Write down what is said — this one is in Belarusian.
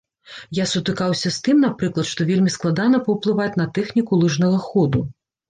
Я сутыкаўся з тым, напрыклад, што вельмі складана паўплываць на тэхніку лыжнага ходу.